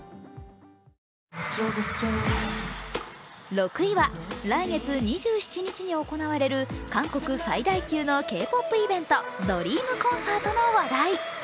６位は、来月２７日に行われる韓国最大級のＫ−ＰＯＰイベントドリームコンサートの話題。